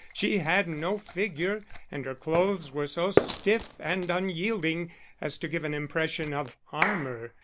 She had no figure, and her clothes were so stiff and unyielding as to give an impression of armour.